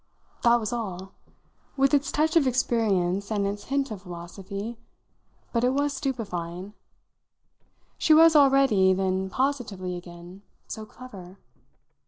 That was all, with its touch of experience and its hint of philosophy; but it was stupefying. She was already then positively again "so clever?"